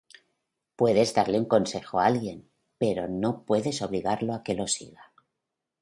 Puedes darle un consejo a alguien, pero no puedes obligarlo a que lo siga.